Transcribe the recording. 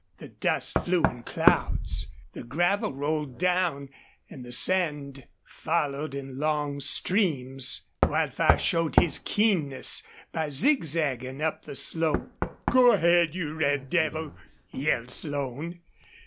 The dust flew in clouds; the gravel rolled down, and the sand followed in long streams. Wildfire showed his keenness by zigzagging up the slope. "Go ahead, you red devil!" yelled Slone.